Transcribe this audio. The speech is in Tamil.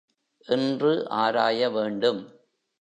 என்று ஆராய வேண்டும்.